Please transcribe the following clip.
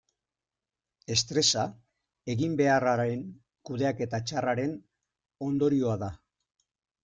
Estresa eginbeharraren kudeaketa txarraren ondorioa da.